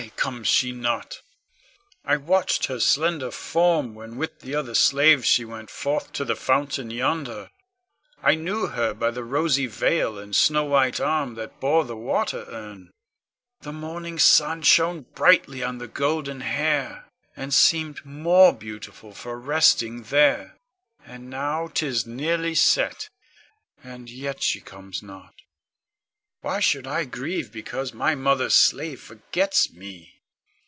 ] Con. Why comes she not? I watched her slender form when with the other slaves she went forth to the fountain yonder. I knew her by the rosy veil and snow white arm that bore the water urn. The morning sun shone brightly on the golden hair, and seemed more beautiful for resting there; and now 'tis nearly set, and yet she comes not. Why should I grieve because my mother's slave forgets me?